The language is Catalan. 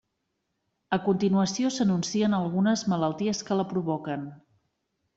A continuació s'enuncien algunes malalties que la provoquen.